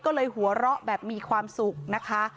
ก็เลยหัวเราะแบบมีความสุขนะคะ